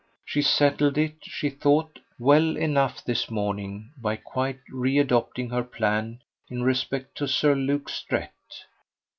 She settled it, she thought, well enough this morning by quite readopting her plan in respect to Sir Luke Strett.